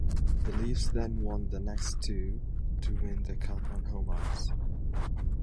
The Leafs then won the next two to win the Cup on home ice.